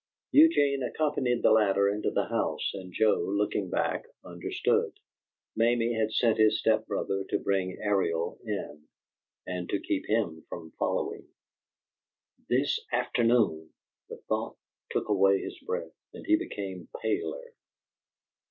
Eugene accompanied the latter into the house, and Joe, looking back, understood: Mamie had sent his step brother to bring Ariel in and to keep him from following. "This afternoon!" The thought took away his breath, and he became paler.